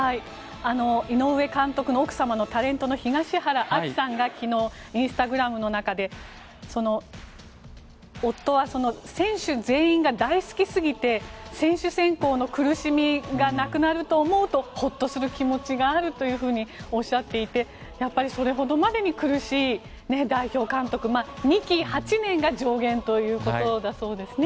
井上監督の奥様のタレントの東原亜希さんが昨日、インスタグラムの中で夫は選手全員が大好きすぎて選手選考の苦しみがなくなると思うとホッとする気持ちがあるというふうにおっしゃっていてやっぱりそれほどまでに苦しい代表監督２期８年が上限ということだそうですね。